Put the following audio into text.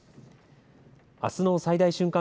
あすの最大瞬間